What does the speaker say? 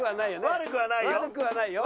悪くはないよ。